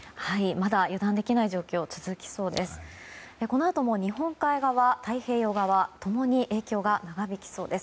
まだ油断できない状況続きそうです。